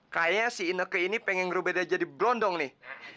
kayaknya si ineke ini pengen rubah dia jadi blondong nih